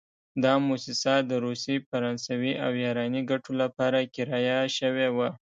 دا موسسه د روسي، فرانسوي او ایراني ګټو لپاره کرایه شوې وه.